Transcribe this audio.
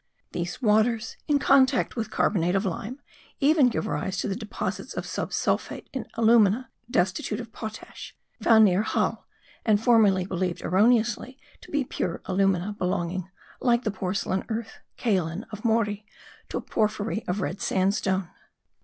These waters, in contact with carbonate of lime, even give rise to the deposits of subsulphate of alumina (destitute of potash), found near Halle, and formerly believed erroneously to be pure alumina belonging, like the porcelain earth (kaolin) of Morl, to porphyry of red sandstone.